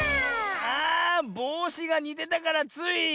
あぼうしがにてたからつい。